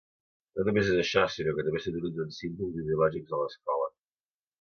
No només és això, sinó que també s’utilitzen símbols ideològics a l’escola.